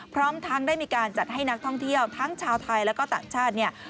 พร้อมทั้งได้มีการจัดให้นักท่องเที่ยวทั้งชาวไทยแล้วก็ต่างชาติเนี่ย